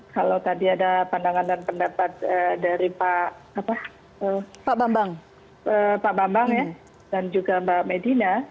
kalau tadi ada pandangan dan pendapat dari pak bambang dan juga mbak medina